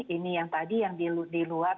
ini yang tadi yang diluar